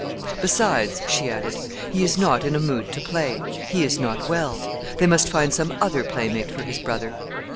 "Besides," she added, "he is not in a mood to play. He is not well. They must find some other playmate for his brother.